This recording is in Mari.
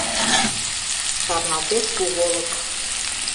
Шарналтеш Куголык.